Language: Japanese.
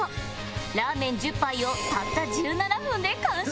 ラーメン１０杯をたった１７分で完食